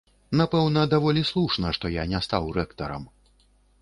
Напэўна, даволі слушна, што я не стаў рэктарам.